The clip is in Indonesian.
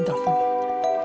astaga bukan unnecessary